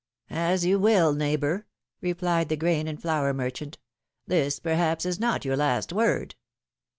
'^As you will, neighbor," replied the grain and flour merchant ; this, perhaps, is not your last word."